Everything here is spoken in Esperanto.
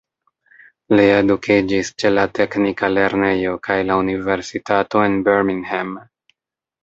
Li edukiĝis ĉe la teknika lernejo kaj la universitato en Birmingham.